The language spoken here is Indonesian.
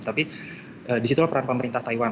tapi di situ peran pemerintah taiwan